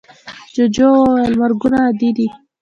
جوجو وویل مرگونه عادي دي.